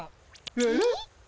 えっ？